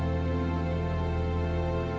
malin jangan lupa